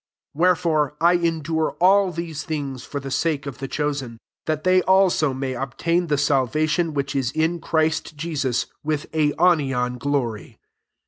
10 Wherefore I endure all these thin§^8 for the sake of the chosen, that they also may obtain the salvation which is in Christ Jesus, with aionian glory.